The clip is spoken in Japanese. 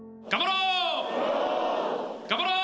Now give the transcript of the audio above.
頑張ろう！